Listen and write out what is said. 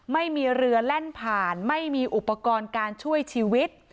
ไม่มีเรือแล่นผ่านไม่มีอุปกรณ์การช่วยชีวิต